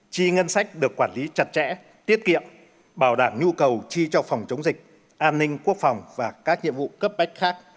chi ngân sách được quản lý chặt chẽ tiết kiệm bảo đảm nhu cầu chi cho phòng chống dịch an ninh quốc phòng và các nhiệm vụ cấp bách khác